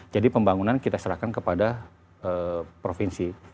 jadi pembangunan kita serahkan kepada provinsi